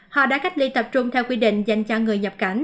họ đã cách ly tập trung theo quy định